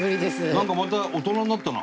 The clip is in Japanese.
なんかまた大人になったな。